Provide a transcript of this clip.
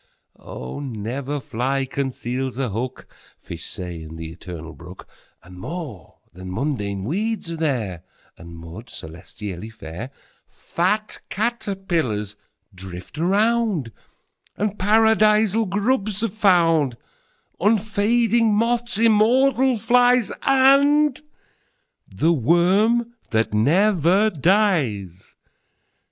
25Oh! never fly conceals a hook,26Fish say, in the Eternal Brook,27But more than mundane weeds are there,28And mud, celestially fair;29Fat caterpillars drift around,30And Paradisal grubs are found;31Unfading moths, immortal flies,32And the worm that never dies.